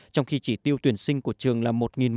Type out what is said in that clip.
trong khi chỉ tiêu tuyển sinh của trường là một